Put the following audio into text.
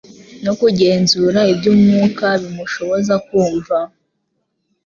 no kugenzura iby'umwuka bimushoboza kumva